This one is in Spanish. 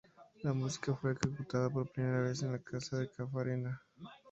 La música fue ejecutada por primera vez en la casa de Caffarena.